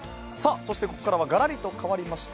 そして、ここからはがらりとかわりまして